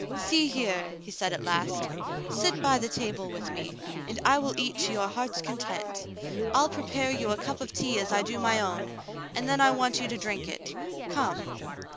"See here," he said at last, "sit by the table with me, and I will eat to your heart's content. I'll prepare you a cup of tea as I do my own, and then I want you to drink it. Come."